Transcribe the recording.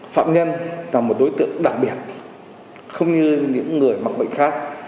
phạm nhân là một đối tượng đặc biệt không như những người mắc bệnh khác